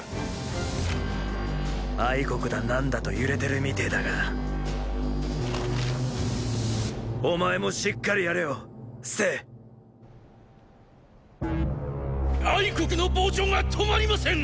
国だ何だと揺れてるみてェだがお前もしっかりやれよ政国の膨張が止まりません！